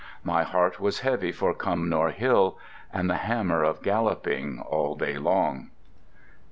My heart was heavy for Cumnor Hill And the hammer of galloping all day long.